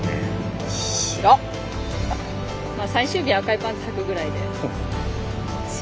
最終日赤いパンツはくくらいで。